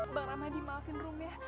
bang ramadi maafin room ya